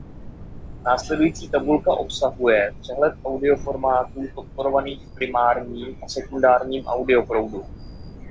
Následující tabulka obsahuje přehled audio formátů podporovaných v primárním a sekundárním audio proudu.